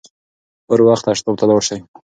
پر وخت تشناب ته لاړ شئ.